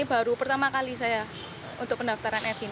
ini baru pertama kali saya untuk pendaftaran e filing